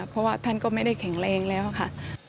เพราะว่าท่านก็ไม่ได้แข็งแรงแล้วค่ะ